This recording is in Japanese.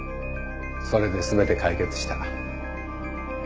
それで全て解決した。